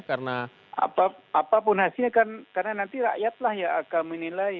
apapun hasilnya karena nanti rakyat lah yang akan menilai